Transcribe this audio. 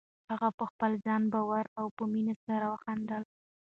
هغه په خپل ځان پورې په مینه سره وخندل.